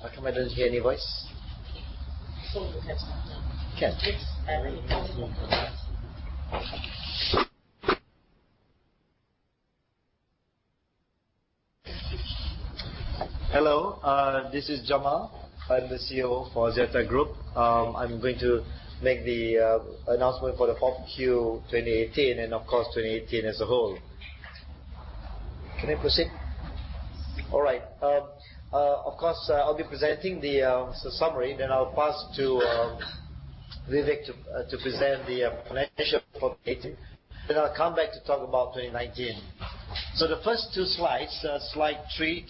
Hello, this is Jamal. I'm the CEO for Axiata Group. I'm going to make the announcement for the Q4 2018 and of course, 2018 as a whole. Can I proceed? All right. Of course, I'll be presenting the summary, then I'll pass to Vivek to present the financial for 2018. I'll come back to talk about 2019. The first two slides. Slide three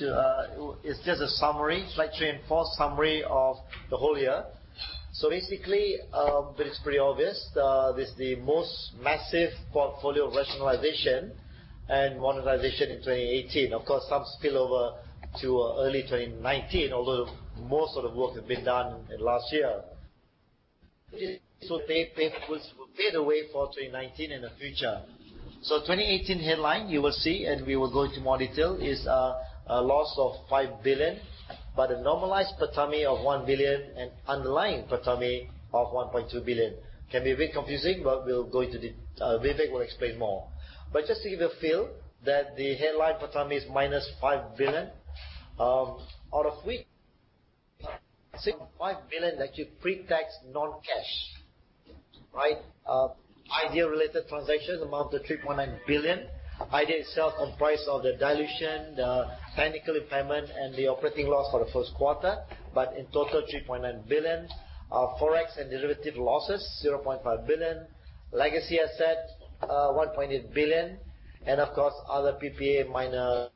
and four, summary of the whole year. Basically, but it's pretty obvious, this is the most massive portfolio of rationalization and monetization in 2018. Of course, some spill over to early 2019, although most of the work has been done in last year. This will pave the way for 2019 and the future. 2018 headline, you will see, and we will go into more detail, is a loss of 5 billion, but a normalized PATAMI of 1 billion and underlying PATAMI of 1.2 billion. Can be a bit confusing. Vivek will explain more. Just to give you a feel that the headline PATAMI is minus 5 billion, out of which, 5 billion actually pre-tax non-cash. Right? Idea related transactions amount to 3.9 billion. Idea itself comprised of the dilution, the technical impairment, and the operating loss for the Q1, but in total 3.9 billion. Our Forex and derivative losses, 0.5 billion. Legacy asset, 1.8 billion. Of course, other PPA minor,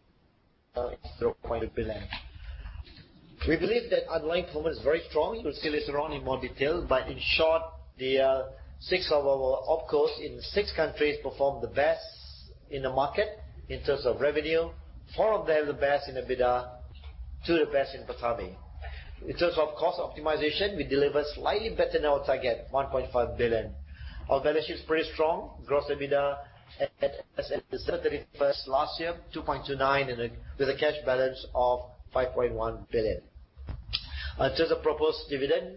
0.8 billion. We believe that underlying performance is very strong. You'll see this around in more detail, in short, six of our opcos in six countries performed the best in the market in terms of revenue. Four of them the best in EBITDA, two the best in PATAMI. In terms of cost optimization, we delivered slightly better than our target, 1.5 billion. Our balance sheet is pretty strong. Gross EBITDA as at December 31st, last year, 2.29 billion, with a cash balance of 5.1 billion. In terms of proposed dividend,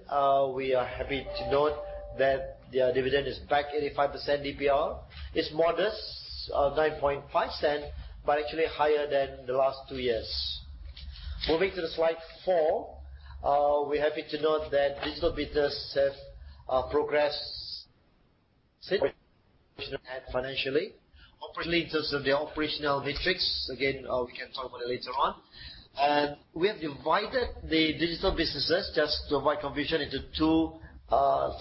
we are happy to note that the dividend is back 85% DPR. It's modest, 0.095, but actually higher than the last two years. Moving to the slide four, we're happy to note that digital businesses have progressed operationally and financially. Hopefully, in terms of the operational metrics, again, we can talk about that later on. We have divided the digital businesses just to avoid confusion into two. In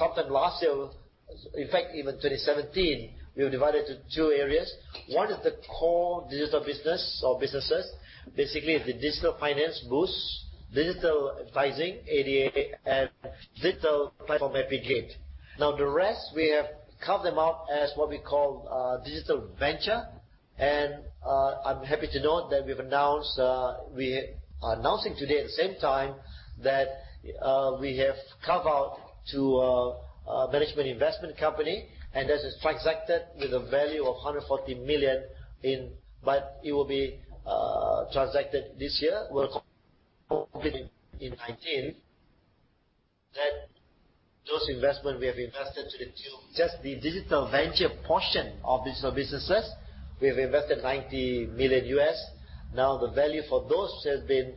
fact, even 2017, we were divided into two areas. One is the core digital business or businesses. Basically, the digital finance Boost, digital advising, ADA, and digital platform, Apigate. The rest, we have carved them out as what we call digital venture. I'm happy to note that we are announcing today at the same time that we have carved out to a management investment company, and this is transacted with a value of 140 million. It will be transacted this year. We'll complete it in 2019. Those investment we have invested to the tune Just the digital venture portion of digital businesses, we have invested $90 million. The value for those has been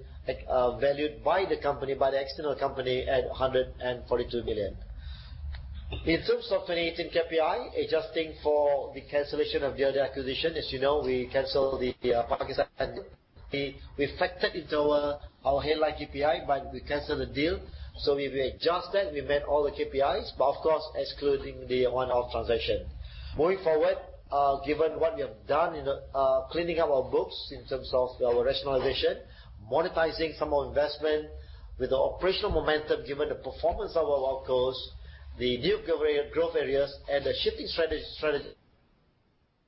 valued by the company, by the external company at 142 million. In terms of 2018 KPI, adjusting for the cancellation of the other acquisition. As you know, we canceled the Pakistan. We factored into our headline KPI. We canceled the deal. We've adjusted, we met all the KPIs, of course, excluding the one-off transaction. Moving forward, given what we have done in cleaning up our books in terms of our rationalization, monetizing some of investment with the operational momentum, given the performance of our opcos, the new growth areas, and the shifting strategy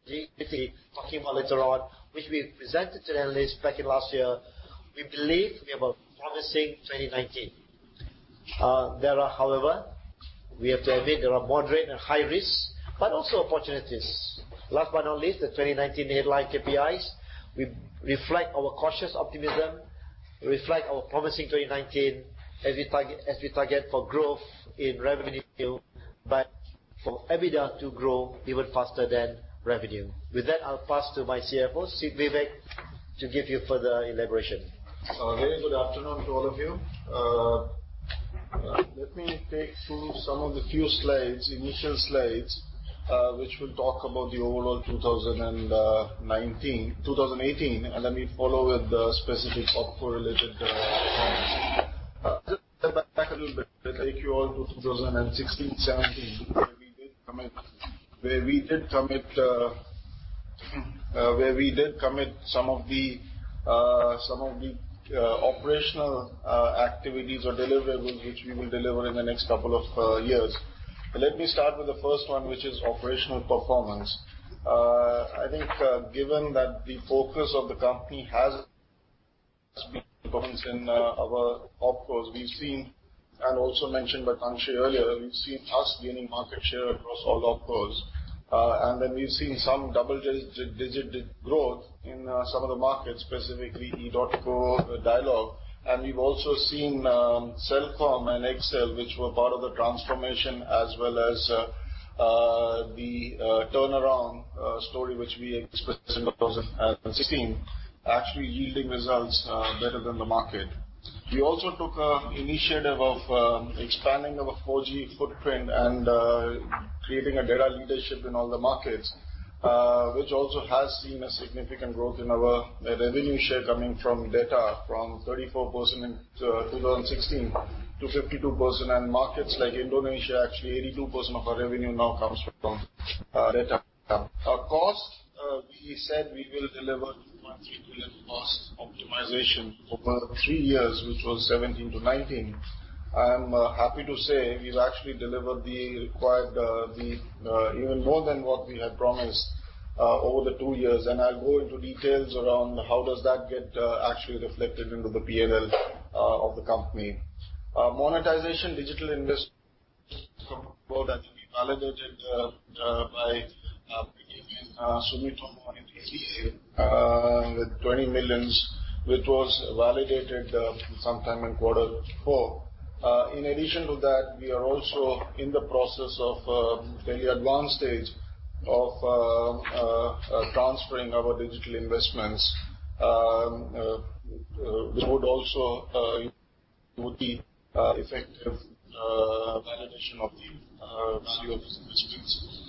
we'll be talking about later on, which we presented to the analysts back in last year, we believe we have a promising 2019. There are, however, we have to admit there are moderate and high risks, but also opportunities. Last but not least, the 2019 headline KPIs reflect our cautious optimism, reflect our promising 2019 as we target for growth in revenue, for EBITDA to grow even faster than revenue. With that, I'll pass to my CFO, Vivek, to give you further elaboration. Okay. Good afternoon to all of you. Let me take through some of the few slides, initial slides, which will talk about the overall 2018, let me follow with the specifics OpCo related plans. Let me step back a little bit, take you all to 2016, 2017, where we did commit some of the operational activities or deliverables which we will deliver in the next couple of years. Let me start with the first one, which is operational performance. I think given that the focus of the company has been performance in our OpCos. Also mentioned by Tan Sri earlier, we've seen us gaining market share across all OpCos. We've seen some double-digit growth in some of the markets, specifically edotco, Digi. We've also seen Celcom and Axiata, which were part of the transformation as well as the turnaround story, which we experienced in 2016, actually yielding results better than the market. We also took an initiative of expanding our 4G footprint and creating a data leadership in all the markets, which also has seen a significant growth in our revenue share coming from data from 34% in 2016 to 52%. Markets like Indonesia, actually 82% of our revenue now comes from data. Our cost, we said we will deliver 200 million cost optimization over three years, which was 2017-2019. I am happy to say we've actually delivered even more than what we had promised over the two years. I'll go into details around how does that get actually reflected into the P&L of the company. Monetization digital investments that we validated by bringing Sumitomo in ACA with 20 million, which was validated sometime in quarter four. In addition to that, we are also in the process of very advanced stage of transferring our digital investments, which would also would be effective validation of the CEO's investments.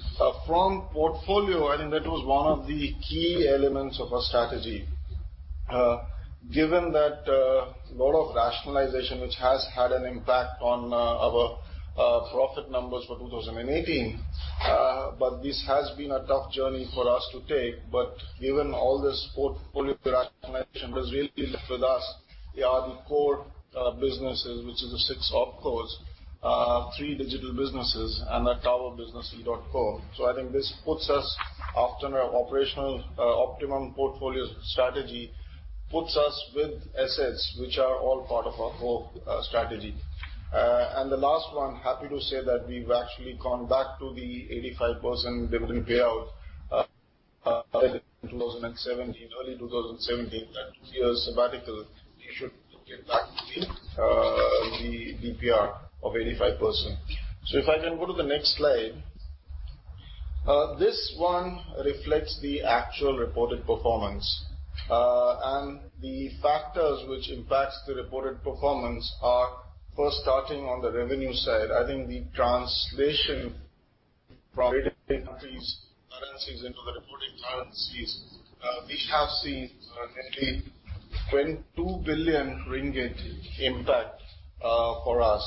From portfolio, I think that was one of the key elements of our strategy. Given that a lot of rationalization, which has had an impact on our profit numbers for 2018, this has been a tough journey for us to take. Given all this portfolio rationalization, what's really left with us are the core businesses, which is the six OpCos, three digital businesses and the tower business, edotco. I think this puts us after our operational optimum portfolio strategy, puts us with assets, which are all part of our whole strategy. The last one, happy to say that we've actually gone back to the 85% dividend payout 2017, early 2017. That two-year sabbatical issued to get back to the DPR of 85%. If I then go to the next slide. This one reflects the actual reported performance. The factors which impacts the reported performance are first starting on the revenue side. I think the translation from rated countries currencies into the reported currencies, we have seen a nearly 2 billion ringgit impact for us.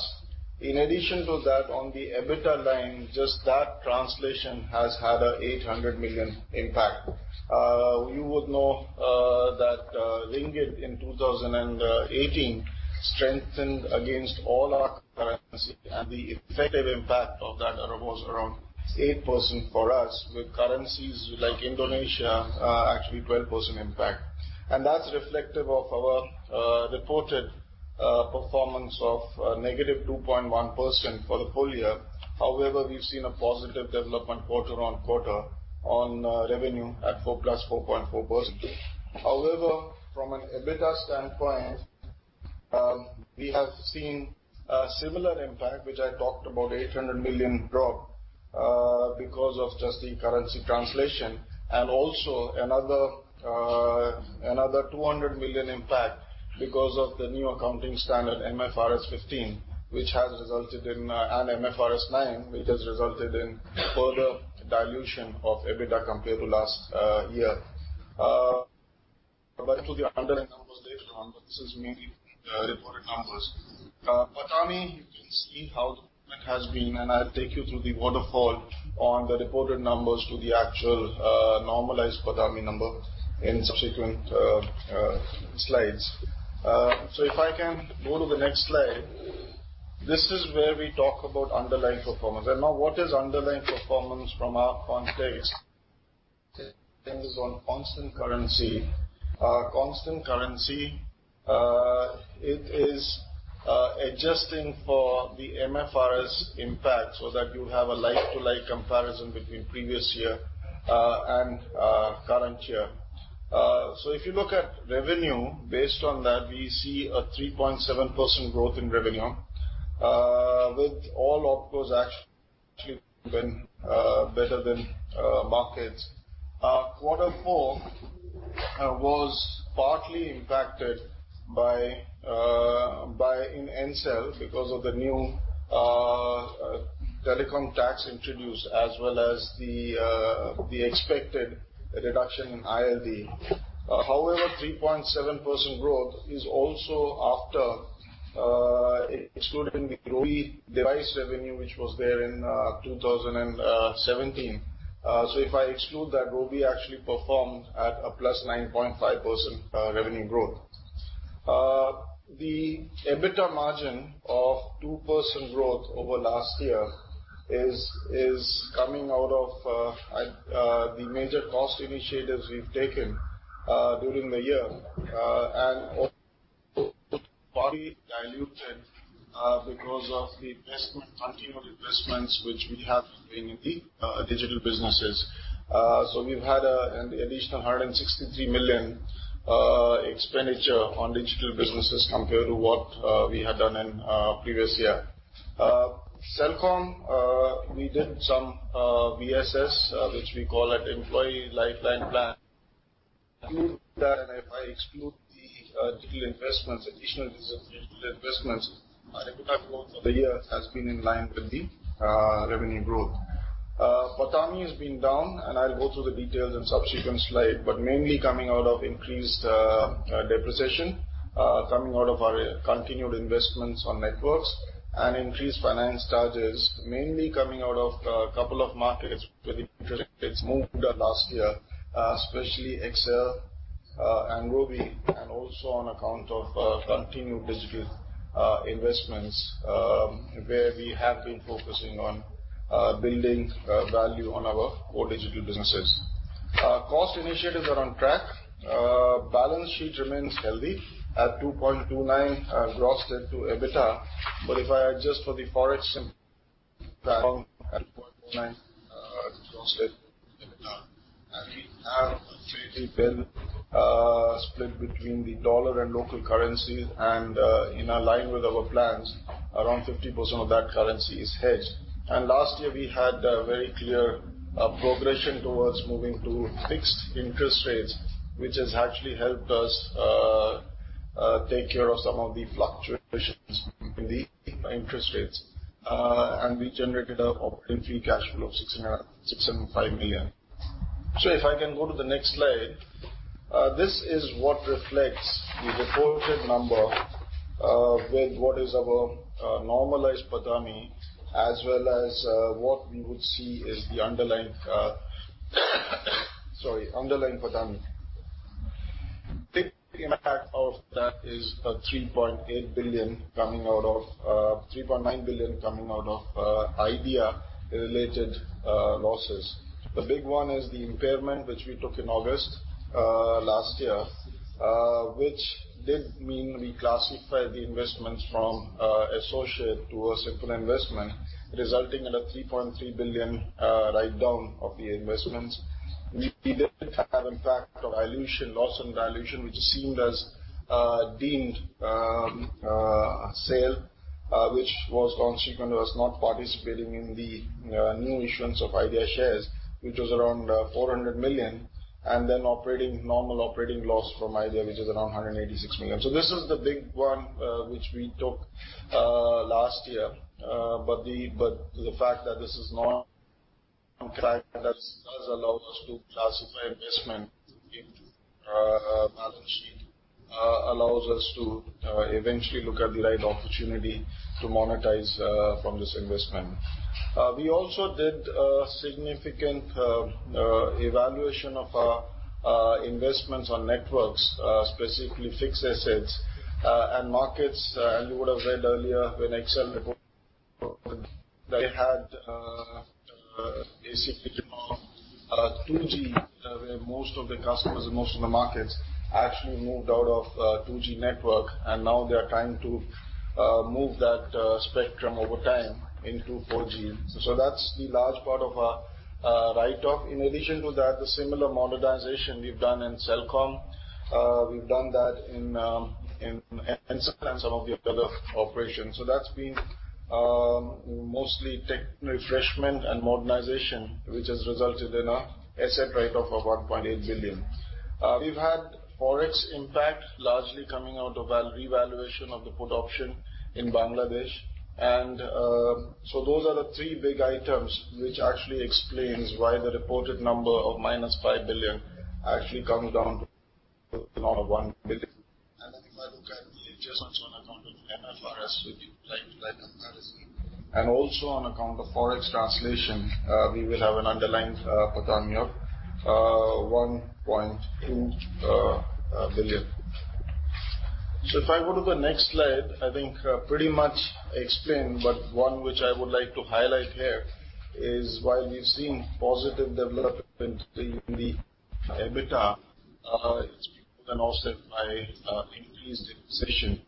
In addition to that, on the EBITDA line, just that translation has had a 800 million impact. You would know that ringgit in 2018 strengthened against all our currency and the effective impact of that was around 8% for us with currencies like Indonesia, actually 12% impact. That's reflective of our reported performance of negative 2.1% for the full year. We've seen a positive development quarter on quarter on revenue at four plus 4.4%. From an EBITDA standpoint, we have seen a similar impact, which I talked about 800 million drop, because of just the currency translation and also another 200 million impact because of the new accounting standard MFRS 15 and MFRS 9, which has resulted in further dilution of EBITDA compared to last year. To the underlying numbers later on, this is mainly the reported numbers. PATAMI, you can see how the has been, and I'll take you through the waterfall on the reported numbers to the actual normalized PATAMI number in subsequent slides. If I can go to the next slide. This is where we talk about underlying performance. Now what is underlying performance from our context? This thing is on constant currency. Constant currency, it is adjusting for the MFRS impact so that you have a like-to-like comparison between previous year and current year. If you look at revenue based on that, we see a 3.7% growth in revenue with all opcos actually been better than markets. Our quarter four was partly impacted by, in Ncell, because of the new telecom tax introduced as well as the expected reduction in ILD. 3.7% growth is also after excluding the Robi device revenue, which was there in 2017. If I exclude that, Robi actually performed at a +9.5% revenue growth. The EBITDA margin of 2% growth over last year is coming out of the major cost initiatives we've taken during the year, and also partly diluted because of the continued investments which we have made in the digital businesses. We've had an additional 163 million expenditure on digital businesses compared to what we had done in previous year. Celcom, we did some VSS, which we call it Employee Lifeline Plan. If I exclude the digital investments, additional digital investments, EBITDA growth for the year has been in line with the revenue growth. PATAMI has been down, and I'll go through the details in subsequent slide, but mainly coming out of increased depreciation, coming out of our continued investments on networks and increased finance charges, mainly coming out of a couple of markets where the interest rates moved up last year, especially XL and Robi, and also on account of continued digital investments, where we have been focusing on building value on our core digital businesses. Cost initiatives are on track. Balance sheet remains healthy at 2.29x gross debt to EBITDA. If I adjust for the ForEx impact at 2.9x gross debt to EBITDA, and we have a fairly even split between the dollar and local currency, and in line with our plans, around 50% of that currency is hedged. Last year, we had a very clear progression towards moving to fixed interest rates, which has actually helped us take care of some of the fluctuations in the interest rates. We generated an operating free cash flow of 675 million. If I can go to the next slide. This is what reflects the reported number with what is our normalized PATAMI, as well as what we would see is the underlying PATAMI. Big impact of that is 3.9 billion coming out of Idea-related losses. The big one is the impairment which we took in August last year, which did mean we classified the investments from associate to a simple investment, resulting in a 3.3 billion write-down of the investments. We did have impact of dilution, loss on dilution, which is seen as deemed sale, which was consequent to us not participating in the new issuance of Idea shares, which was around 400 million, and then normal operating loss from Idea, which is around 186 million. This is the big one which we took last year. The fact that this is not does allow us to classify investment into balance sheet, allows us to eventually look at the right opportunity to monetize from this investment. We also did a significant evaluation of our investments on networks, specifically fixed assets and markets, and you would have read earlier when XL reported that they had basically 2G, where most of the customers and most of the markets actually moved out of 2G network, and now they are trying to move that spectrum over time into 4G. That's the large part of our write-off. In addition to that, the similar modernization we've done in Celcom, we've done that in some of the other operations. That's been mostly tech refreshment and modernization, which has resulted in an asset write-off of 1.8 billion. We've had ForEx impact, largely coming out of revaluation of the put option in Bangladesh. Those are the three big items which actually explains why the reported number of -5 billion actually comes down to 1 billion. If I look at the adjustments on account of MFRS with the like-to-like comparison. Also on account of ForEx translation, we will have an underlying PATAMI of 1.2 billion. If I go to the next slide, I think pretty much explained, but one which I would like to highlight here is while we've seen positive development in the EBITDA, it's been offset by increased depreciation.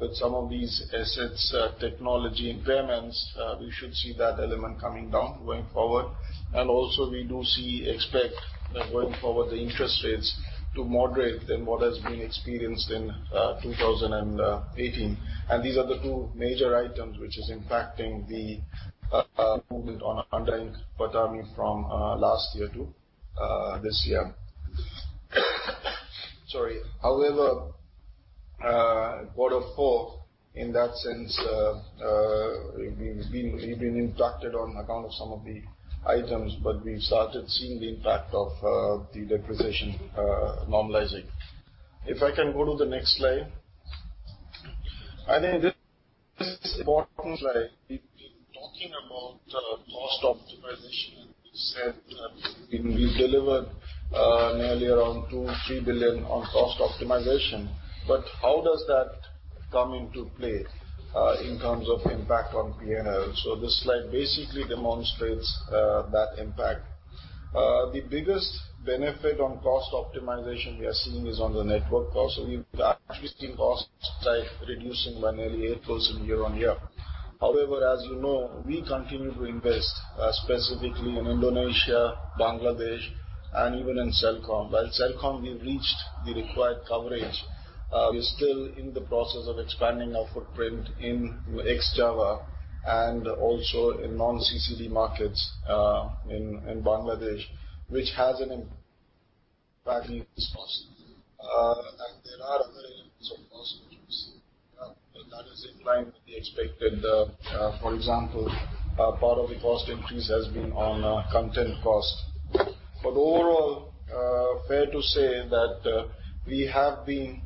With some of these assets, technology impairments, we should see that element coming down going forward. Also we do expect that going forward, the interest rates to moderate than what has been experienced in 2018. These are the two major items which is impacting the movement on underlying PATAMI from last year to this year. Sorry. However, Q4, in that sense, we've been impacted on account of some of the items, but we've started seeing the impact of the depreciation normalizing. If I can go to the next slide. I think this is important slide. We've been talking about cost optimization, and we said we've delivered nearly around 2 billion-3 billion on cost optimization. How does Come into play in terms of impact on P&L. This slide basically demonstrates that impact. The biggest benefit on cost optimization we are seeing is on the network cost. We've actually seen costs reducing by nearly 8% year-on-year. However, as you know, we continue to invest, specifically in Indonesia, Bangladesh, and even in Celcom. While Celcom, we've reached the required coverage, we're still in the process of expanding our footprint in ex-Java and also in non-CCD markets in Bangladesh, which has an impact on costs. There are other elements of cost, which we will see. That is in line with the expected. For example, part of the cost increase has been on content cost. Overall, fair to say that we have been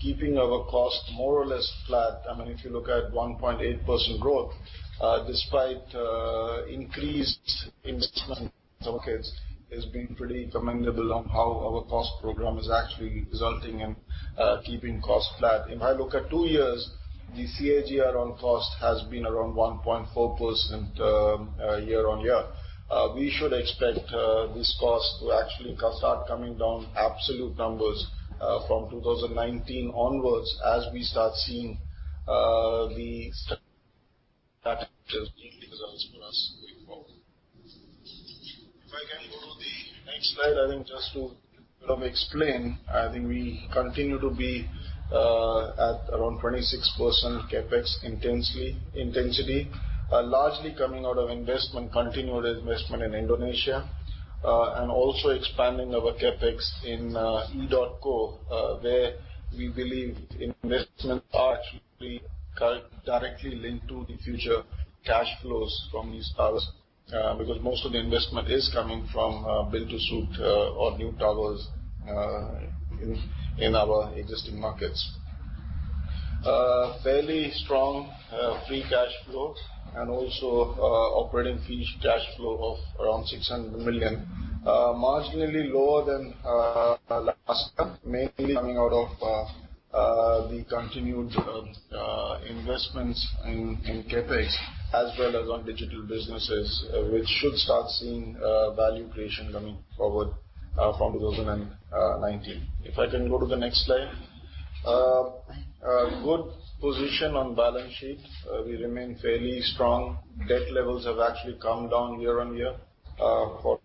keeping our cost more or less flat. If you look at 1.8% growth, despite increased investment in some cases, it has been pretty commendable on how our cost program is actually resulting in keeping cost flat. If I look at two years, the CAGR on cost has been around 1.4% year-on-year. We should expect this cost to actually start coming down absolute numbers from 2019 onwards, as we start seeing the structural results for us going forward. If I can go to the next slide, just to explain, we continue to be at around 26% CapEx intensity, largely coming out of investment, continual investment in Indonesia, and also expanding our CapEx in edotco, where we believe investments are actually being directly linked to the future cash flows from these towers, because most of the investment is coming from build-to-suit or new towers in our existing markets. Fairly strong free cash flow and also operating free cash flow of around 600 million. Marginally lower than last year, mainly coming out of the continued investments in CapEx as well as on digital businesses, which should start seeing value creation coming forward from 2019. If I can go to the next slide. Good position on balance sheet. We remain fairly strong. Debt levels have actually come down year-on-year for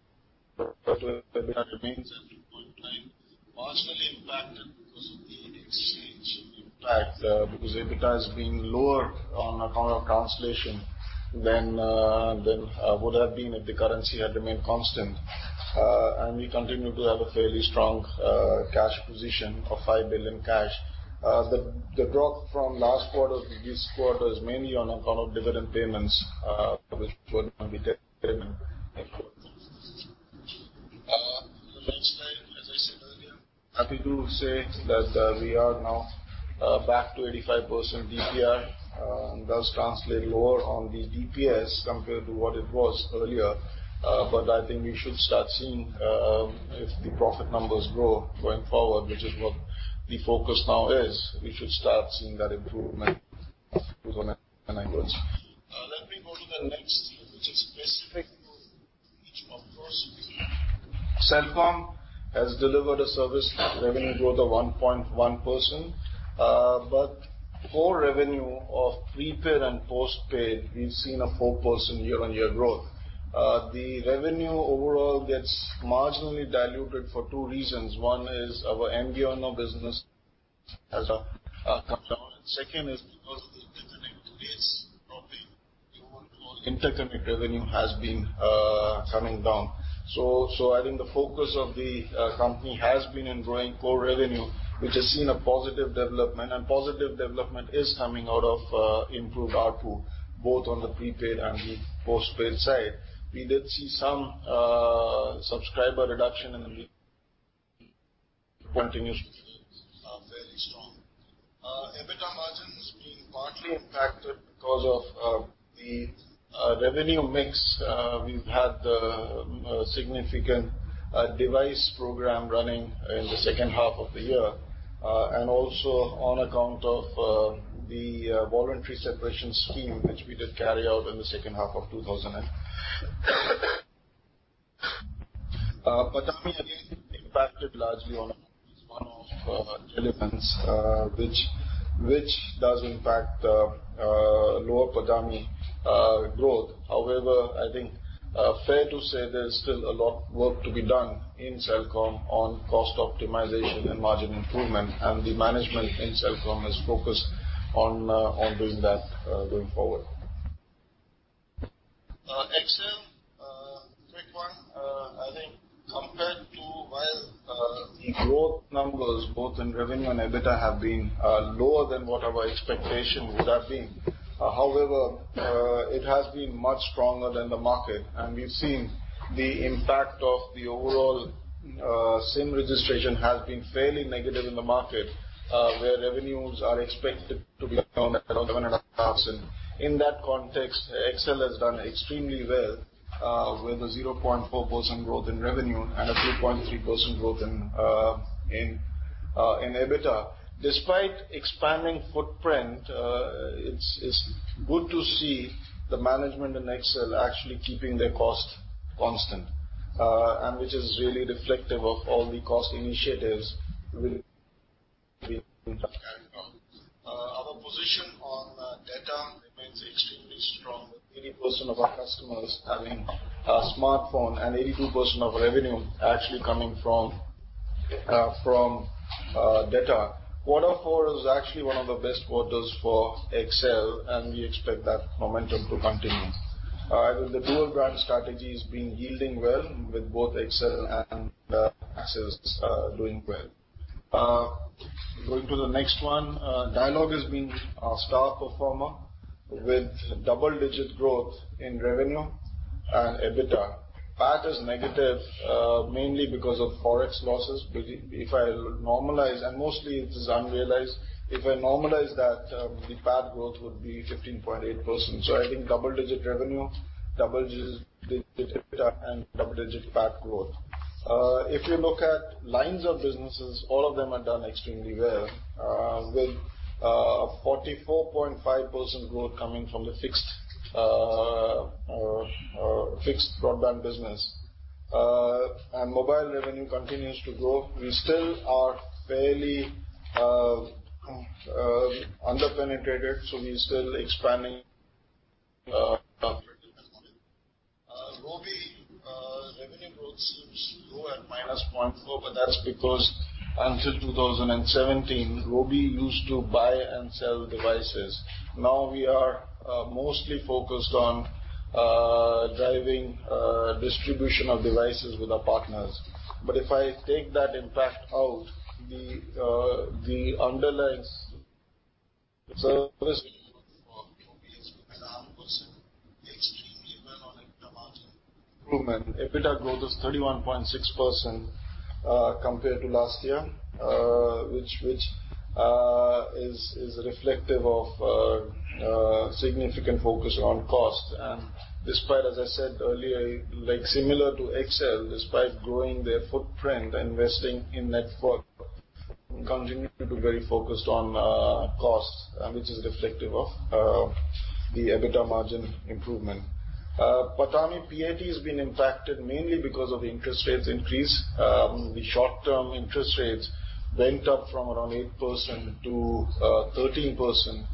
that remains at a good time, marginally impacted because of the exchange impact, because EBITDA has been lower on account of translation than would have been if the currency had remained constant. We continue to have a fairly strong cash position of 5 billion cash. The drop from last quarter to this quarter is mainly on account of dividend payments, which would now be taken in next quarter. The next slide, as I said earlier. Happy to say that we are now back to 85% DPR. Does translate lower on the DPS compared to what it was earlier. We should start seeing if the profit numbers grow going forward, which is what the focus now is. We should start seeing that improvement onwards. Let me go to the next view, which is specific to each of those. Celcom has delivered a service revenue growth of 1.1%, core revenue of prepaid and postpaid, we have seen a 4% year-on-year growth. The revenue overall gets marginally diluted for two reasons. One is our MVNO business has come down, and second is because of the interconnect base dropping year-on-year. Interconnect revenue has been coming down. The focus of the company has been in growing core revenue, which has seen a positive development, and positive development is coming out of improved ARPU, both on the prepaid and the postpaid side. We did see some subscriber reduction in the continues to be fairly strong. EBITDA margin has been partly impacted because of the revenue mix. We have had a significant device program running in the H2 of the year, and also on account of the Voluntary Separation Scheme, which we did carry out in the H2 of 2019. PATAMI has been impacted largely on account of one of Telepen's, which does impact lower PATAMI growth. Fair to say there's still a lot work to be done in Celcom on cost optimization and margin improvement, and the management in Celcom is focused on doing that going forward. XL, quick one. Compared to while the growth numbers both in revenue and EBITDA have been lower than what our expectation would have been. It has been much stronger than the market, and we've seen the impact of the overall SIM registration has been fairly negative in the market, where revenues are expected to be down at around 1,000. In that context, XL has done extremely well with a 0.4% growth in revenue and a 2.3% growth in EBITDA. Despite expanding footprint, it's good to see the management in XL actually keeping their cost constant, which is really reflective of all the cost initiatives we Our position on data remains extremely strong, with 80% of our customers having a smartphone and 82% of revenue actually coming from data. Quarter four is actually one of the best quarters for XL, and we expect that momentum to continue. The dual-brand strategy has been yielding well with both XL and Axis doing well. Going to the next one. Dialog has been our star performer with double-digit growth in revenue and EBITDA. PAT is negative mainly because of Forex losses. If I normalize, and mostly it is unrealized, if I normalize that, the PAT growth would be 15.8%. Double-digit revenue, double-digit EBITDA, and double-digit PAT growth. If you look at lines of businesses, all of them are done extremely well, with 44.5% growth coming from the fixed broadband business. Mobile revenue continues to grow. We still are fairly under-penetrated, so we're still expanding Robi revenue growth seems low at -0.4%, but that's because until 2017, Robi used to buy and sell devices. Now we are mostly focused on driving distribution of devices with our partners. If I take that impact out, the underlying service extremely well on EBITDA margin. Improvement. EBITDA growth is 31.6% compared to last year, which is reflective of significant focus on cost. Despite, as I said earlier, similar to XL, despite growing their footprint, investing in network, continuing to be very focused on cost, which is reflective of the EBITDA margin improvement. PATAMI PAT has been impacted mainly because of interest rates increase. The short-term interest rates went up from around 8%-13%,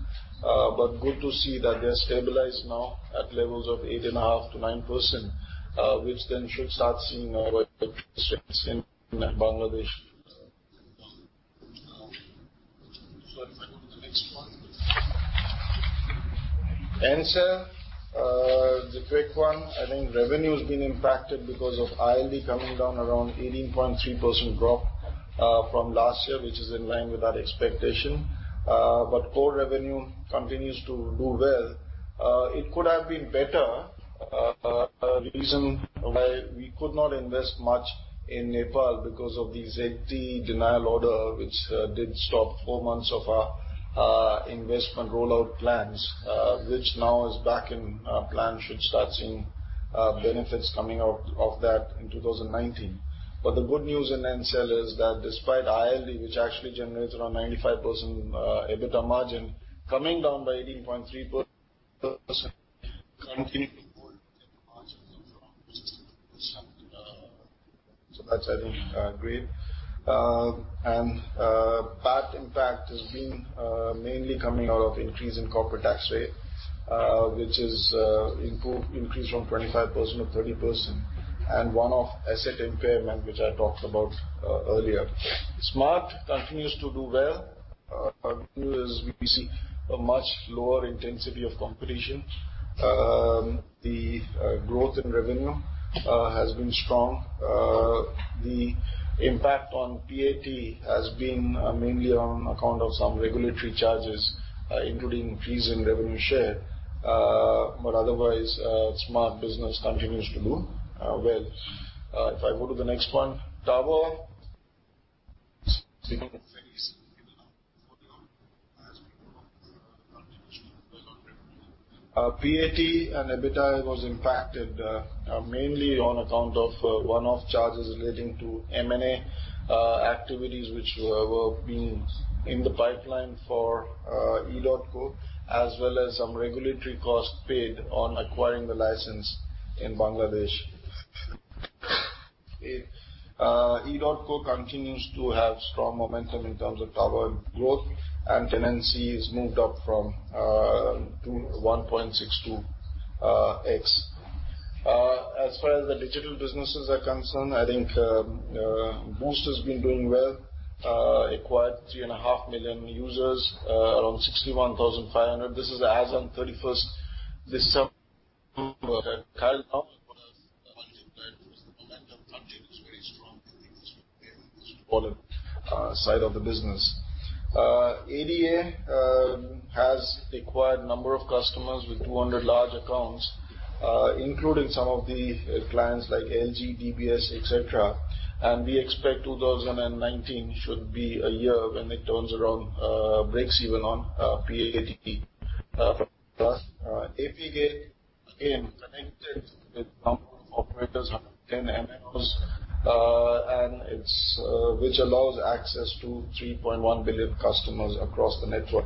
but good to see that they're stabilized now at levels of 8.5%-9%, which then should start seeing lower interest rates in Bangladesh. If I go to the next one. Ncell, the quick one. Revenue has been impacted because of ILD coming down around 18.3% drop from last year, which is in line with our expectation. Core revenue continues to do well. It could have been better. A reason why we could not invest much in Nepal because of the ZTE denial order, which did stop four months of our investment rollout plans, which now is back in plan, should start seeing benefits coming out of that in 2019. The good news in Ncell is that despite ILD, which actually generates around 95% EBITDA margin coming down by 18.3%. That's, I think, great. PAT impact has been mainly coming out of increase in corporate tax rate, which has increased from 25%-30%, and one-off asset impairment, which I talked about earlier. Smart continues to do well. Good news is we see a much lower intensity of competition. The growth in revenue has been strong. The impact on PAT has been mainly on account of some regulatory charges, including fees and revenue share. Otherwise, Smart business continues to do well. If I go to the next one. Tower. PAT and EBITDA was impacted mainly on account of one-off charges relating to M&A activities which were being in the pipeline for edotco, as well as some regulatory costs paid on acquiring the license in Bangladesh. edotco continues to have strong momentum in terms of tower growth and tenancy is moved up from 2.16 to X. As far as the digital businesses are concerned, I think Boost has been doing well. Acquired 3.5 million users, around 61,500. This is as on December 31st, side of the business. ADA has acquired number of customers with 200 large accounts, including some of the clients like LG, DBS, et cetera. We expect 2019 should be a year when it turns around, breaks even on PAT. Apigate interconnected with a number of operators, 10 MNOs, which allows access to 3.1 billion customers across the network.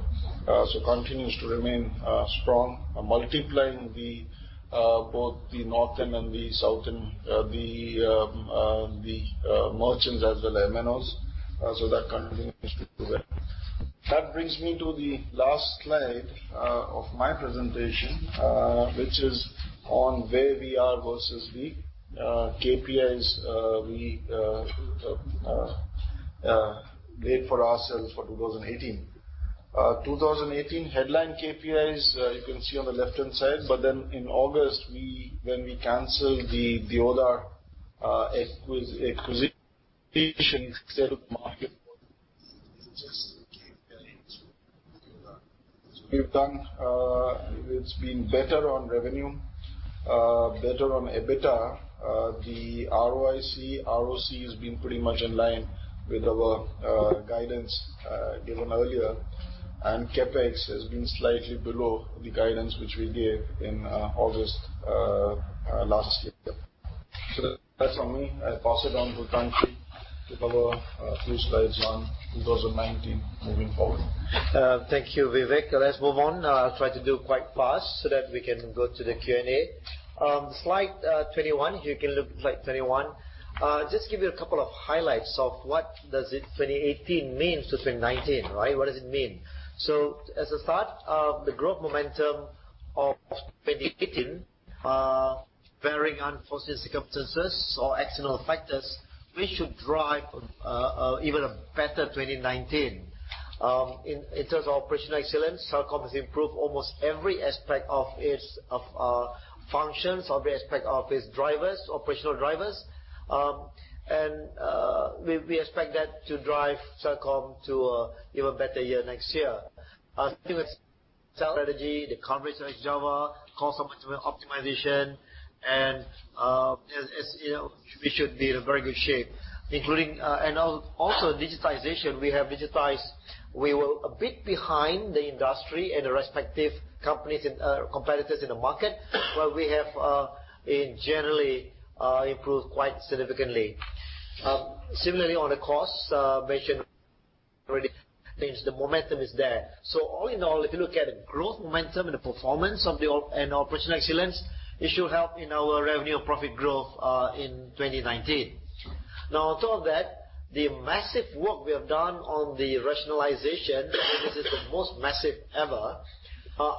Continues to remain strong, multiplying both the northern and the southern, the merchants as well, the MNOs. That continues to do well. That brings me to the last slide of my presentation, which is on where we are versus the KPIs we laid for ourselves for 2018. 2018 headline KPIs, you can see on the left-hand side, in August, when we canceled the Deodar acquisition instead of. Just keep going through. Go on. It's been better on revenue, better on EBITDA. The ROIC, ROC has been pretty much in line with our guidance given earlier, and CapEx has been slightly below the guidance which we gave in August last year. That's it for me. I pass it on to Tan Sri to follow a few slides on 2019 moving forward Thank you, Vivek. Let's move on. I'll try to do quite fast so that we can go to the Q&A. Slide 21. You can look at slide 21. Just give you a couple of highlights of what does 2018 mean to 2019, right? What does it mean? As a start, the growth momentum of 2018, bearing unforeseen circumstances or external factors, we should drive even a better 2019. In terms of operational excellence, Celcom has improved almost every aspect of its functions or the aspect of its operational drivers. We expect that to drive Celcom to an even better year next year. I think with Celcom strategy, the coverage like Java, cost optimization, and we should be in very good shape. Also, digitization. We have digitized. We were a bit behind the industry and the respective competitors in the market, but we have generally improved quite significantly. Similarly, on the costs, which have already changed. The momentum is there. All in all, if you look at the growth momentum and the performance and operational excellence, it should help in our revenue and profit growth in 2019. Now, on top of that, the massive work we have done on the rationalization, and this is the most massive ever.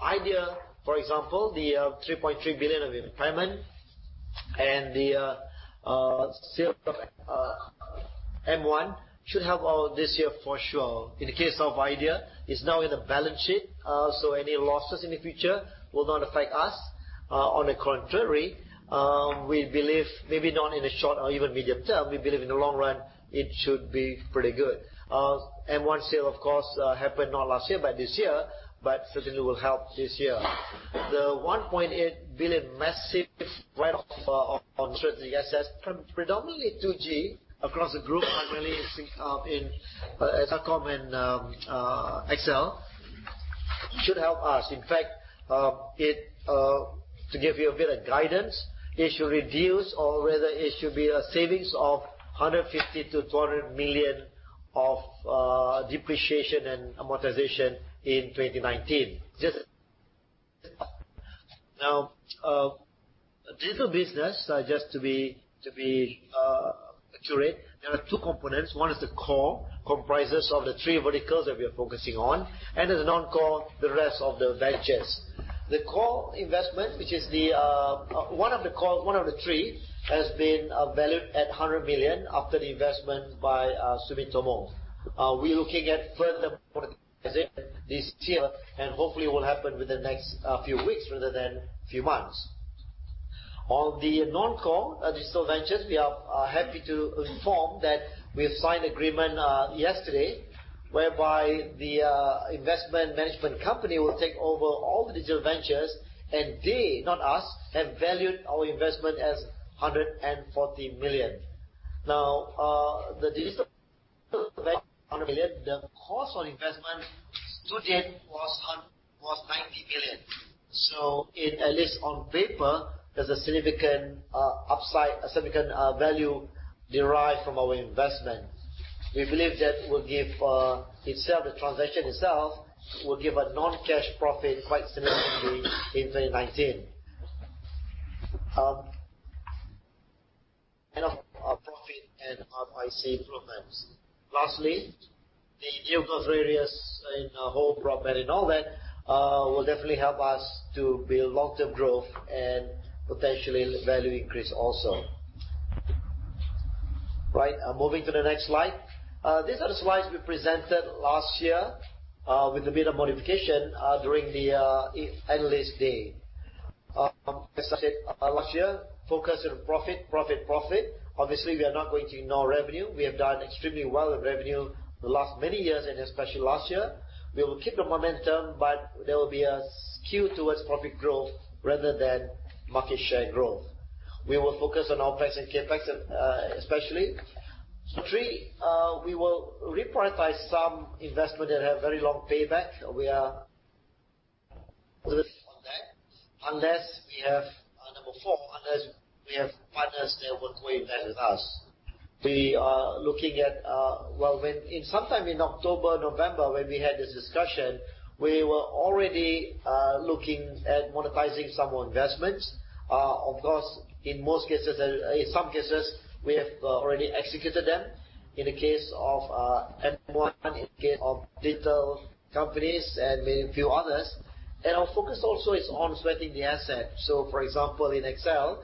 Idea, for example, the 3.3 billion of impairment and the sale of M1 should help out this year for sure. In the case of Idea, it's now in the balance sheet, so any losses in the future will not affect us. On the contrary, we believe maybe not in the short or even medium-term, we believe in the long run, it should be pretty good. M1 sale, of course, happened not last year, but this year, but certainly will help this year. The 1.8 billion massive write-off on certain assets, predominantly 2G across the group, primarily in Celcom and XL, should help us. In fact, to give you a bit of guidance, it should reduce or whether it should be a savings of 150 million-200 million of depreciation and amortization in 2019. Now, digital business, just to be accurate, there are two components. One is the core, comprises of the three verticals that we are focusing on, and there's a non-core, the rest of the ventures. The core investment, which is one of the three, has been valued at 100 million after the investment by Sumitomo. We're looking at further monetization this year, and hopefully will happen within the next few weeks rather than few months. On the non-core digital ventures, we are happy to inform that we have signed agreement yesterday whereby the investment management company will take over all the digital ventures, and they, not us, have valued our investment as 140 million. The digital value of 100 million, the cost of investment to date was 90 million. At least on paper, there's a significant upside, a significant value derived from our investment. We believe the transaction itself will give a non-cash profit quite significantly in 2019. Of profit and ROIC improvements. Lastly, the deal with various in home broadband and all that will definitely help us to build long-term growth and potentially value increase also. Moving to the next slide. These are the slides we presented last year with a bit of modification during the analyst day. As I said last year, focus on profit. We are not going to ignore revenue. We have done extremely well with revenue the last many years, and especially last year. We will keep the momentum, but there will be a skew towards profit growth rather than market share growth. We will focus on OpEx and CapEx especially. Three, we will reprioritize some investments that have very long payback. We are on that. Number four, unless we have partners that want to invest with us. Sometime in October, November, when we had this discussion, we were already looking at monetizing some investments. Of course, in some cases, we have already executed them. In the case of M1, in case of digital companies, and maybe a few others. Our focus also is on sweating the asset. For example, in XL,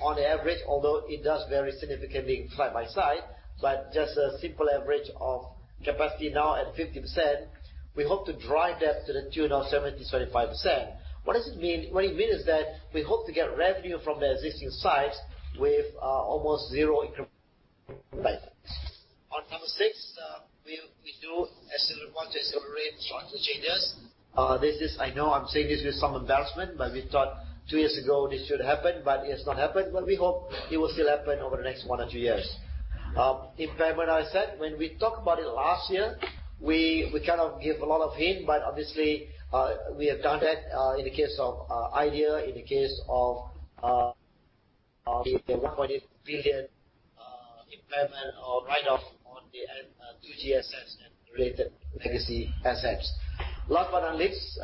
on average, although it does vary significantly side by side, but just a simple average of capacity now at 50%, we hope to drive that to the tune of 70%-75%. What does it mean? What it means is that we hope to get revenue from the existing sites with almost zero incremental CapEx. On number six, we do accelerate strategy changes. I know I'm saying this with some embarrassment, but we thought two years ago this should happen, but it's not happened. We hope it will still happen over the next one or two years. Impairment, I said when we talked about it last year, we cannot give a lot of hint, but obviously, we have done that, in the case of Idea, in the case of the 1.8 billion impairment or write-off on the 2G assets and related legacy assets. Last but not least,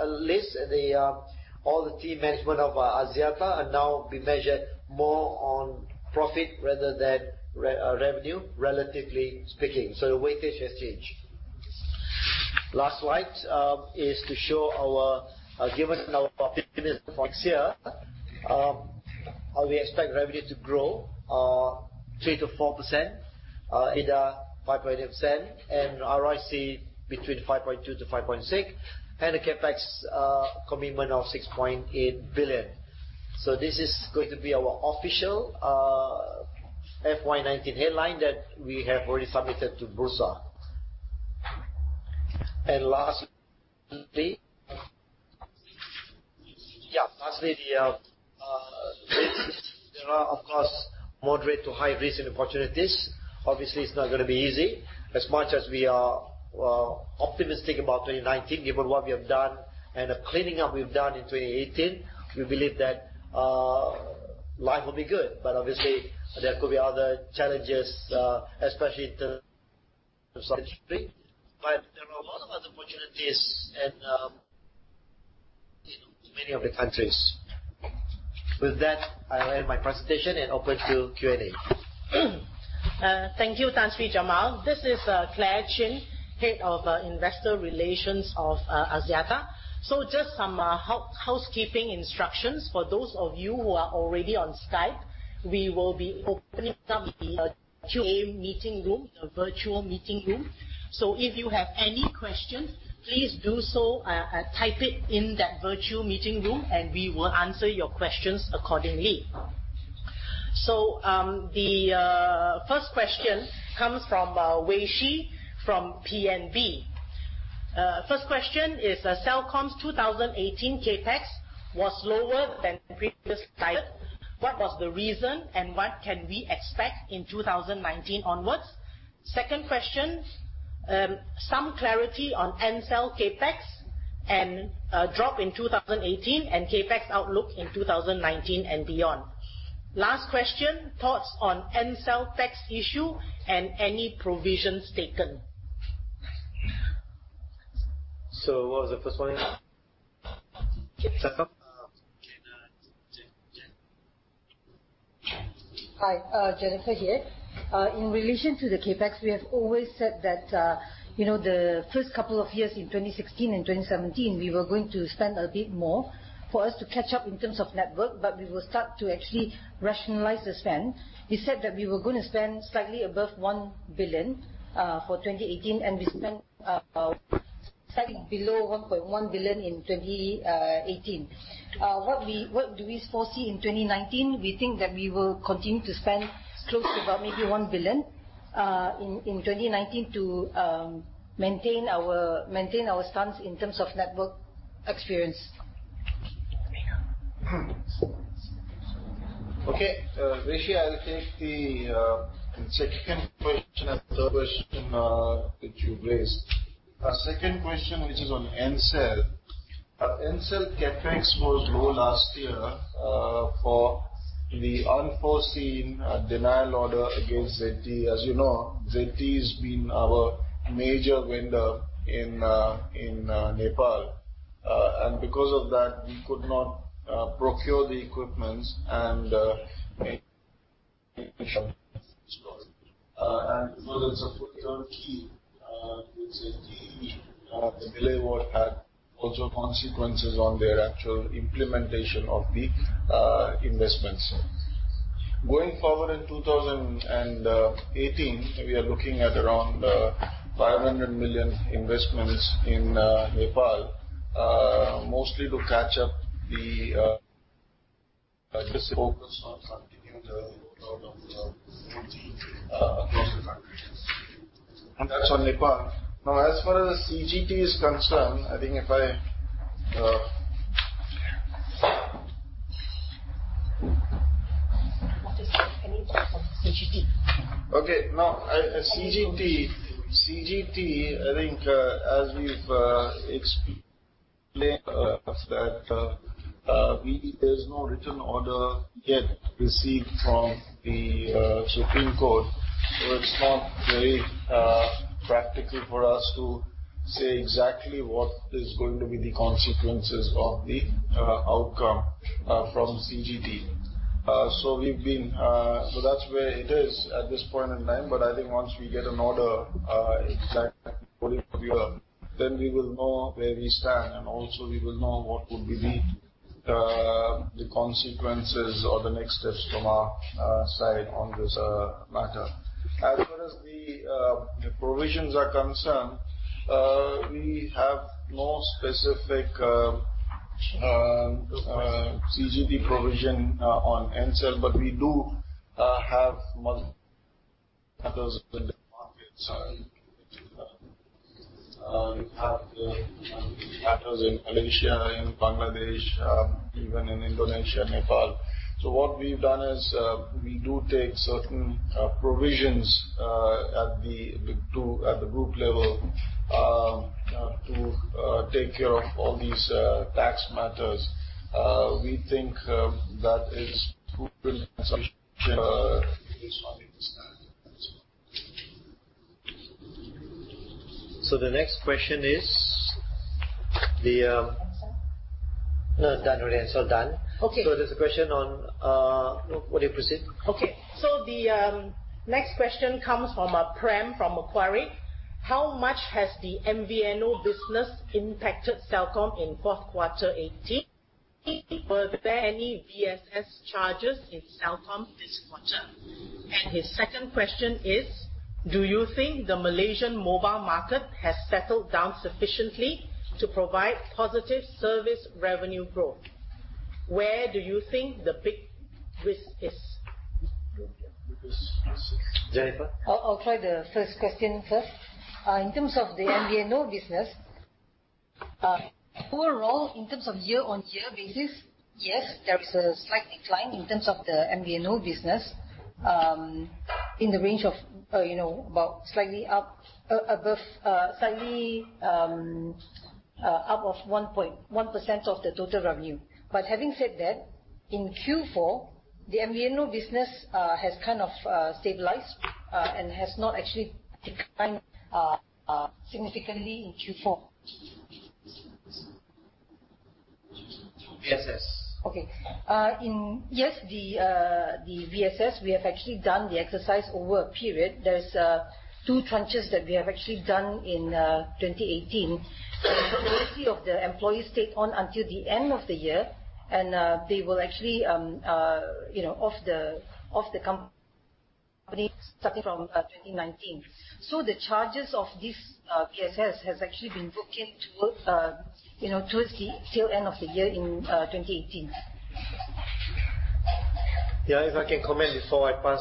all the team management of Axiata are now being measured more on profit rather than revenue, relatively speaking. The weightage has changed. Last slide is to show our guidance and our optimism for next year. We expect revenue to grow 3%-4%, EBITDA 5.8%, and ROIC between 5.2%-5.6%, and a CapEx commitment of 6.8 billion. This is going to be our official FY 2019 headline that we have already submitted to Bursa. Lastly risks. There are, of course, moderate to high risks and opportunities. It's not going to be easy. As much as we are optimistic about 2019, given what we have done and the cleaning up we've done in 2018, we believe that life will be good. Obviously, there could be other challenges, especially in terms of some industry. There are a lot of other opportunities in many other countries. With that, I will end my presentation and open to Q&A. Thank you, Tan Sri Jamal. This is Clare Chin, Head of Investor Relations of Axiata. Just some housekeeping instructions. For those of you who are already on Skype, we will be opening up the Q&A meeting room, the virtual meeting room. If you have any questions, please do so, type it in that virtual meeting room and we will answer your questions accordingly. The first question comes from Weishi from PNB. First question is, Celcom's 2018 CapEx was lower than previously guided. What was the reason and what can we expect in 2019 onwards? Second question, some clarity on Ncell CapEx and drop in 2018 and CapEx outlook in 2019 and beyond. Last question, thoughts on Ncell tax issue and any provisions taken. What was the first one again? Celcom? Hi, Jennifer here. In relation to the CapEx, we have always said that the first couple of years in 2016 and 2017, we were going to spend a bit more for us to catch up in terms of network, but we will start to actually rationalize the spend. We said that we were going to spend slightly above 1 billion for 2018, and we spent slightly below 1.1 billion in 2018. What do we foresee in 2019? We think that we will continue to spend close to about maybe 1 billion in 2019 to maintain our stance in terms of network experience. Weishi, I will take the second question and third question that you've raised. Second question, which is on Ncell. Ncell CapEx was low last year for the unforeseen denial order against ZTE. As you know, ZTE has been our major vendor in Nepal. Because of that, we could not procure the equipment. Because it's a procure key with ZTE, the delay would have also consequences on their actual implementation of the investments. Going forward in 2018, we are looking at around 500 million investments in Nepal, mostly to catch up the focus on continuing the rollout of the 4G across the countries. That's on Nepal. As far as CGT is concerned, I think if I What is the impact of CGT? CGT, I think as we've explained that there's no written order yet received from the Supreme Court, it's not very practical for us to say exactly what is going to be the consequences of the outcome from CGT. That's where it is at this point in time, but I think once we get an order exactly then we will know where we stand, and also we will know what would be the consequences or the next steps from our side on this matter. As far as the provisions are concerned, we have no specific CGT provision on Ncell, but we do have matters in different markets. We have matters in Malaysia, in Bangladesh, even in Indonesia, Nepal. What we've done is, we do take certain provisions at the group level to take care of all these tax matters. We think that is good as well. The next question is. NCell? No, done with Ncell. Done. Okay. There's a question on What do you proceed? Okay. The next question comes from Prem from Macquarie. How much has the MVNO business impacted Celcom in Q4 2018? Were there any VSS charges in Celcom this quarter? His second question is, do you think the Malaysian mobile market has settled down sufficiently to provide positive service revenue growth? Where do you think the big risk is? Jennifer? I'll try the first question first. In terms of the MVNO business, overall, in terms of year-on-year basis, yes, there is a slight decline in terms of the MVNO business in the range of about slightly up of 1% of the total revenue. Having said that, in Q4, the MVNO business has kind of stabilized and has not actually declined significantly in Q4. VSS. Okay. Yes, the VSS, we have actually done the exercise over a period. There's two tranches that we have actually done in 2018. The majority of the employees take on until the end of the year, and they will actually be off the company starting from 2019. The charges of this VSS has actually been booked in towards the end of the year in 2018. Yeah, if I can comment before I pass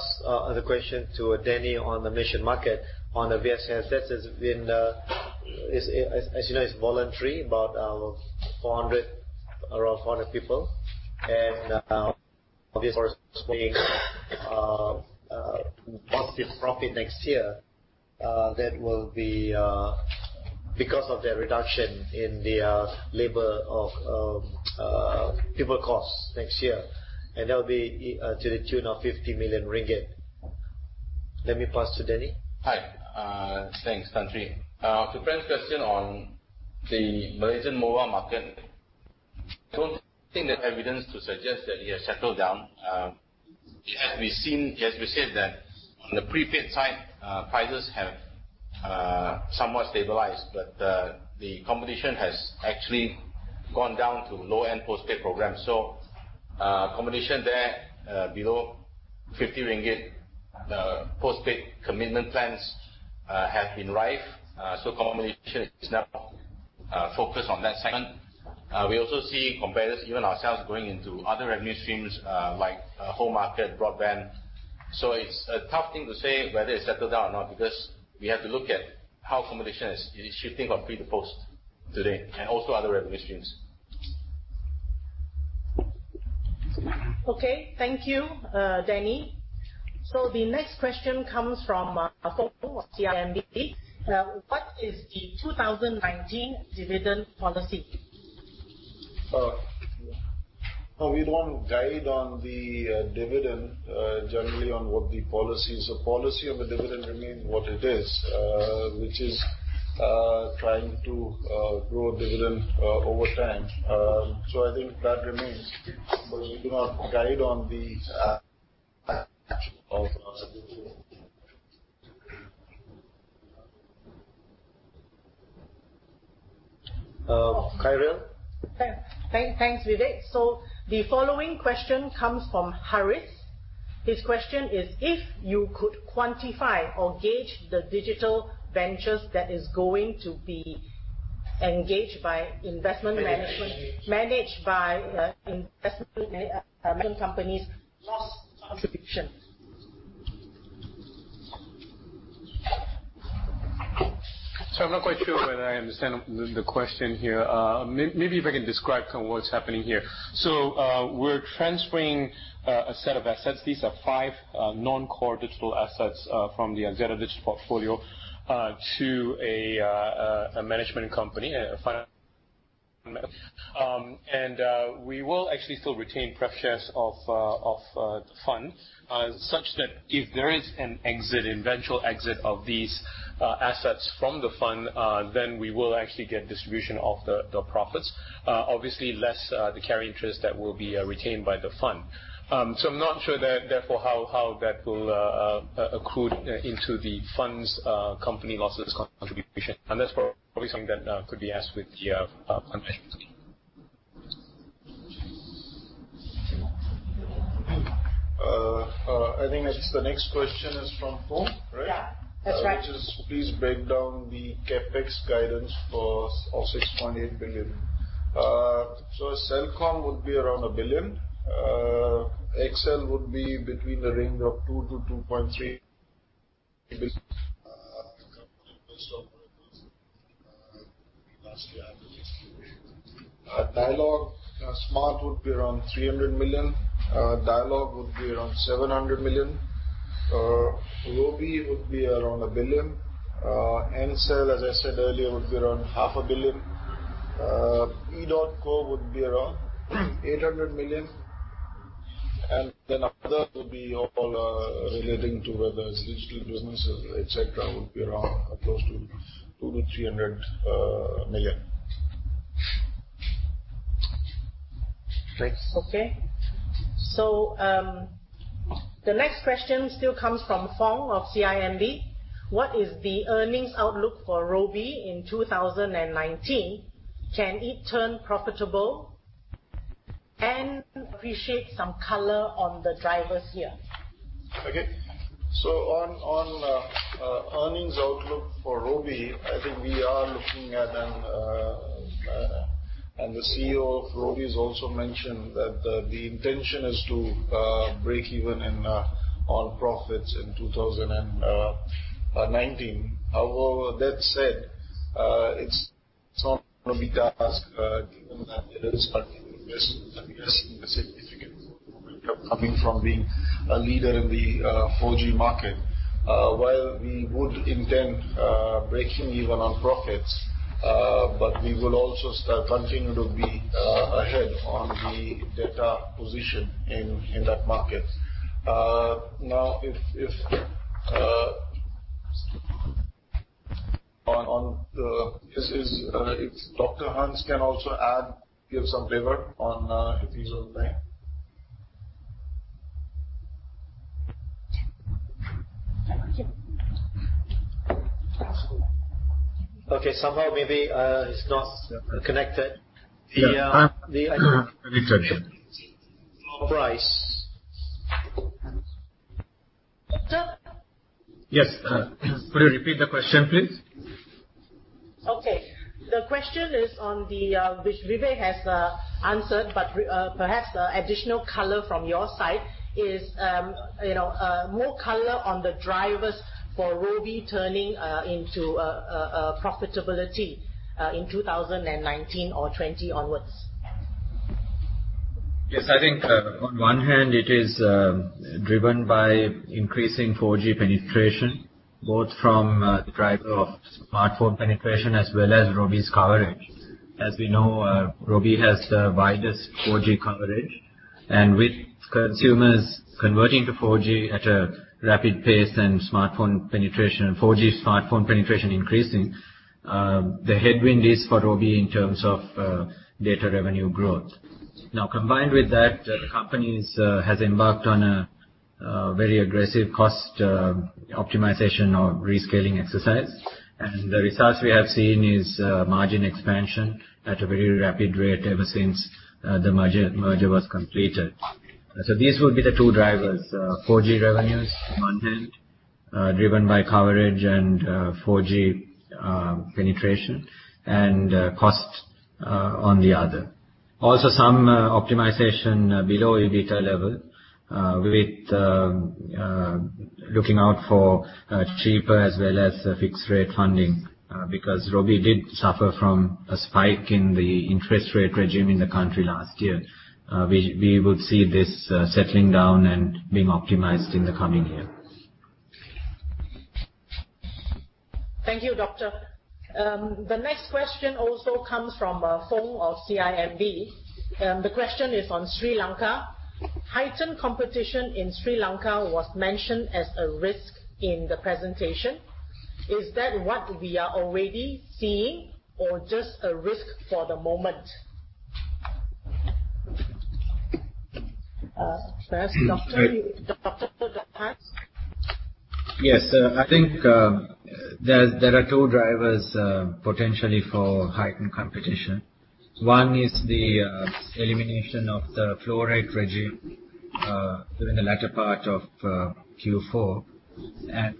the question to Danny on the Malaysian market, on the VSS, that has been, as you know, it's voluntary, about around 400 people. Obviously positive profit next year. That will be because of that reduction in the labor of people costs next year, and that will be to the tune of 50 million ringgit. Let me pass to Danny. Hi. Thanks, Tan Sri. To Prem's question on the Malaysian mobile market, I don't think there's evidence to suggest that it has settled down. As we said that on the prepaid side, prices have somewhat stabilized, but the competition has actually gone down to low-end postpaid programs. Competition there below 50 ringgit postpaid commitment plans have been rife. Competition is now focused on that segment. We also see competitors, even ourselves, going into other revenue streams, like home market broadband. It's a tough thing to say whether it's settled down or not because we have to look at how competition is shifting from pre to post today, and also other revenue streams. Thank you, Danny. The next question comes from CIMB. What is the 2019 dividend policy? No, we don't guide on the dividend, generally on what the policy is. The policy of the dividend remains what it is, which is trying to grow dividend over time. I think that remains, but we do not guide on the of the dividend. Khairil? Thanks, Vivek. The following question comes from Harris. His question is if you could quantify or gauge the digital ventures that is going to be engaged by investment management- Managed. Managed by investment management companies' loss contribution. I'm not quite sure whether I understand the question here. Maybe if I can describe what's happening here. We're transferring a set of assets. These are five non-core digital assets from the Axiata Digital portfolio to a management company, a financial company. We will actually still retain pref shares of the fund, such that if there is an eventual exit of these assets from the fund, then we will actually get distribution of the profits. Obviously less the carry interest that will be retained by the fund. I'm not sure therefore how that will accrued into the fund's company losses contribution. That's probably something that could be asked with the fund management team. I think that the next question is from Foong, right? Yeah. That's right. Which is, please break down the CapEx guidance of 6.8 billion. Celcom would be around 1 billion. XL would be between the range of 2 billion-2.3 billion. Dialog Smart would be around 300 million. Dialog would be around 700 million. Robi would be around 1 billion. Ncell, as I said earlier, would be around MYR half a billion. edotco would be around 800 million. Other would be all relating to whether it's digital businesses, et cetera, would be around close to 2 million-300 million. Thanks. Okay. The next question still comes from Fong of CIMB. What is the earnings outlook for Robi in 2019? Can it turn profitable? Appreciate some color on the drivers here. Okay. On earnings outlook for Robi, I think we are looking at, the CEO of Robi has also mentioned that the intention is to break even on profits in 2019. However, that said, it's not going to be a task given that it is a significant coming from being a leader in the 4G market. While we would intend breaking even on profits, but we will also continue to be ahead on the data position in that market. If Dr. Hans can also add, give some flavor on if he's okay. Okay. Somehow maybe it's not connected. Let me check. Bryce. Doctor? Yes. Could you repeat the question, please? Okay. The question which Vivek has answered but perhaps additional color from your side is more color on the drivers for Robi turning into profitability in 2019 or 2020 onwards. Yes. I think on one hand, it is driven by increasing 4G penetration, both from the driver of smartphone penetration as well as Robi's coverage. As we know, Robi has the widest 4G coverage. With consumers converting to 4G at a rapid pace and 4G smartphone penetration increasing, the headwind is for Robi in terms of data revenue growth. Combined with that, the company has embarked on a very aggressive cost optimization or rescaling exercise. The results we have seen is margin expansion at a very rapid rate ever since the merger was completed. These would be the two drivers: 4G revenues on one hand, driven by coverage and 4G penetration, and cost on the other. Some optimization below EBITDA level with looking out for cheaper as well as fixed rate funding because Robi did suffer from a spike in the interest rate regime in the country last year. We would see this settling down and being optimized in the coming year. Thank you, Doctor. The next question also comes from Foong of CIMB. The question is on Sri Lanka. Heightened competition in Sri Lanka was mentioned as a risk in the presentation. Is that what we are already seeing or just a risk for the moment? First, Dr. Hans. Yes. I think there are two drivers potentially for heightened competition. One is the elimination of the floor rate regime Within the latter part of Q4.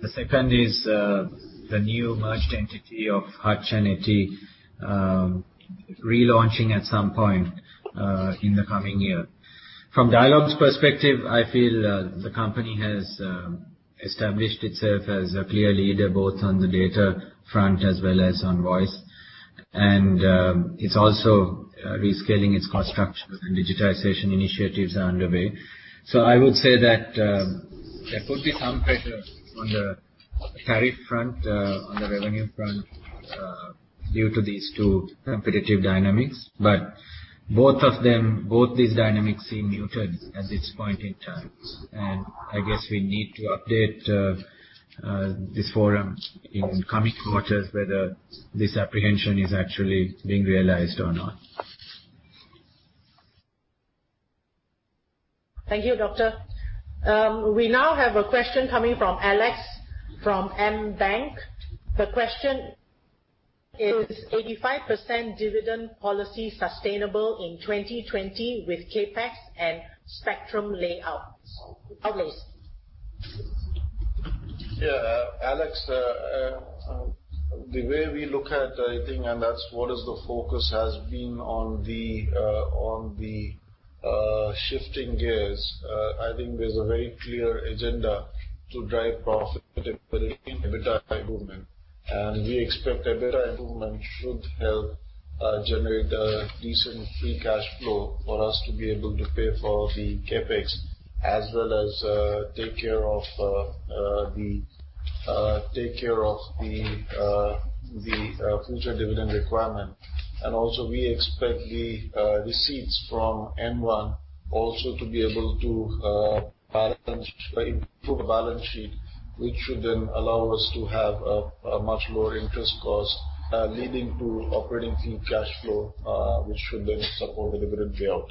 The second is the new merged entity of Hutch and ET relaunching at some point in the coming year. From Dialog's perspective, I feel the company has established itself as a clear leader both on the data front as well as on voice. It's also rescaling its cost structure and digitization initiatives are underway. I would say that there could be some pressure on the tariff front, on the revenue front due to these two competitive dynamics. Both these dynamics seem muted at this point in time. I guess we need to update this forum in coming quarters whether this apprehension is actually being realized or not. Thank you, Dr. Vivek. We now have a question coming from Alex from Maybank. The question is, "Is 85% dividend policy sustainable in 2020 with CapEx and spectrum layout?" Over to you. Yeah, Alex, the way we look at anything, that's what is the focus has been on the shifting gears. I think there's a very clear agenda to drive profitability in EBITDA improvement. We expect EBITDA improvement should help generate a decent free cash flow for us to be able to pay for the CapEx as well as take care of the future dividend requirement. Also, we expect the receipts from M1 also to be able to improve the balance sheet, which should then allow us to have a much lower interest cost leading to operating free cash flow, which should then support the dividend payout.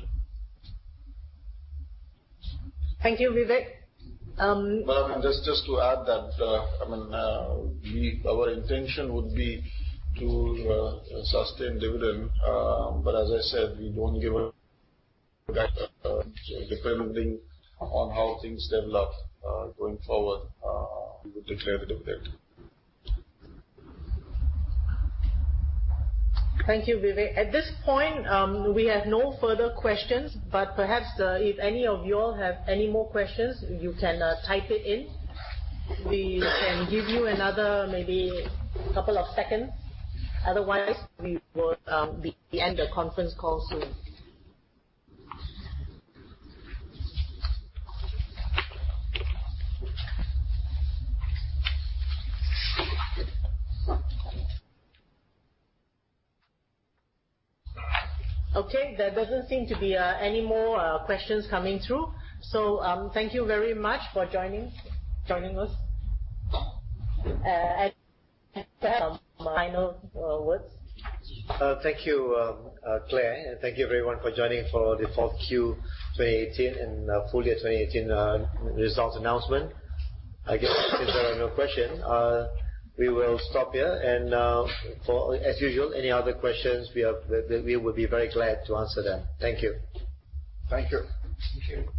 Thank you, Vivek. Just to add that, our intention would be to sustain dividend. As I said, depending on how things develop going forward, we will declare the dividend. Thank you, Vivek. At this point, we have no further questions, perhaps, if any of you all have any more questions, you can type it in. We can give you another maybe couple of seconds. Otherwise, we will end the conference call soon. Okay, there doesn't seem to be any more questions coming through. Thank you very much for joining us. Perhaps some final words. Thank you, Clare. Thank you everyone for joining for the Q4 2018 and full year 2018 results announcement. I guess since there are no question, we will stop here as usual, any other questions, we would be very glad to answer them. Thank you. Thank you. Thank you.